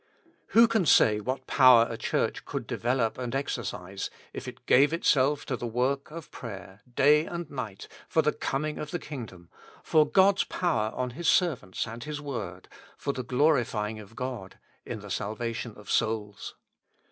Who can say what power a Church could develop and exercise, if it gave itself to the work of prayer day and night for the coming of the kingdom, for God's power on His servants and His word, for the glorifying of God in the salvation of souls